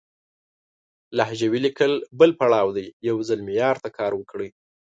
لهجوي ليکل بل پړاو دی، يو ځل معيار ته کار وکړئ!